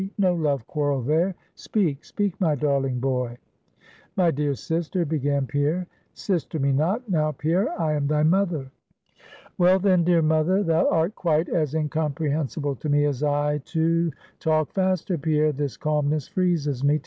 no love quarrel there; speak, speak, my darling boy! 'My dear sister,' began Pierre. 'Sister me not, now, Pierre; I am thy mother.' 'Well, then, dear mother, thou art quite as incomprehensible to me as I to ' 'Talk faster, Pierre this calmness freezes me.